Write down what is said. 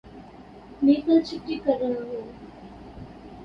میں کل چھٹی کر ریا ہوں